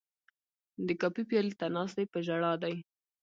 د کافي پیالې ته ناست دی په ژړا دی